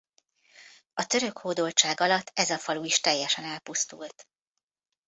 A török hódoltság alatt ez a falu is teljesen elpusztult.